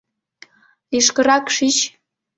— Лишкырак шич.